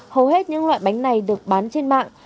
hầu hết những loại bánh này được bán trên mạng